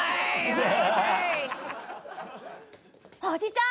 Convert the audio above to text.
おじちゃん！